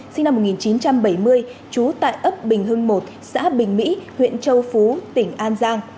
sinh năm một nghìn chín trăm bảy mươi trú tại ấp bình hưng một xã bình mỹ huyện châu phú tỉnh an giang